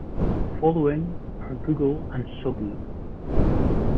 Following are Google and Sogou.